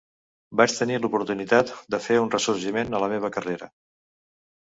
Vaig tenir l"oportunitat de fer un ressorgiment a la meva carrera.